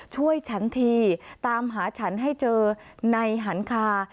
ช่วยฉันทีตามหาฉันให้เจอในหันคา